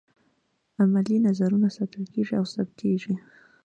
عملي نظرونه ساتل کیږي او ثبتیږي.